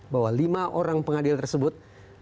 bahwa lima orang pengadilan tersebut